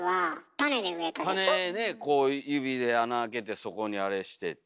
種ねこう指で穴開けてそこにあれしてって。